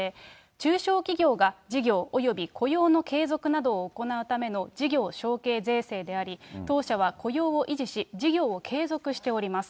中小企業が事業および雇用の継続などを行うための事業承継税制であり、当社は雇用を維持し、事業を継続しております。